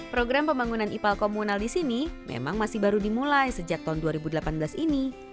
program pembangunan ipal komunal di sini memang masih baru dimulai sejak tahun dua ribu delapan belas ini